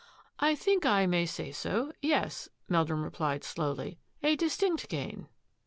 " I think I may say so; yes,'' Meldrum replied slowly, " a distinct gain."